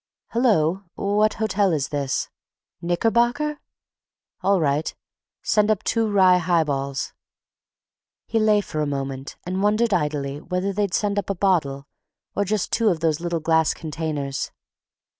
"Hello—what hotel is this—? "Knickerbocker? All right, send up two rye high balls—" He lay for a moment and wondered idly whether they'd send up a bottle or just two of those little glass containers.